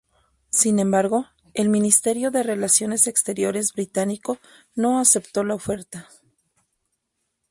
Sin embargo, el Ministerio de Relaciones Exteriores británico no aceptó la oferta.